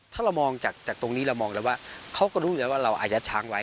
ถ้ามองจากตรงนี้เรามองแหละว่าเขาก็รู้แหละว่าเราไยดยัดช้างไว้